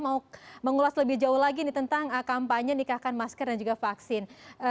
mau mengulas lebih jauh lagi nih tentang kampanye nikahkan masker dan juga vaksin